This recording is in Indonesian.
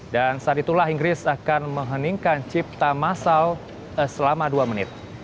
dan saat itulah inggris akan mengheningkan cipta masal selama dua menit